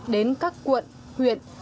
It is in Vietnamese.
đến các quận huyện